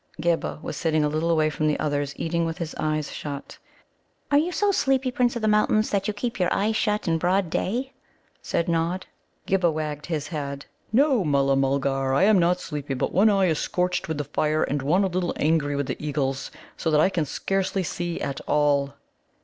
Ghibba was sitting a little away from the others, eating with his eyes shut. "Are you so sleepy, Prince of the Mountains, that you keep your eyes shut in broad day?" said Nod. Ghibba wagged his head. "No, Mulla mulgar, I am not sleepy; but one eye is scorched with the fire and one a little angry with the eagles, so that I can scarcely see at all."